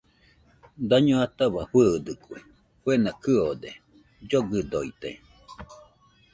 Daño ataua fɨɨdɨkue, kuena kɨode, llogɨdoite